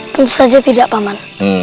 tentu saja tidak paman